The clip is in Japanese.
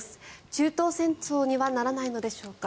中東戦争にはならないのでしょうか。